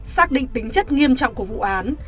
xác định tính chất nghiêm trọng của vụ án